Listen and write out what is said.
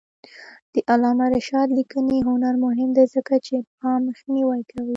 د علامه رشاد لیکنی هنر مهم دی ځکه چې ابهام مخنیوی کوي.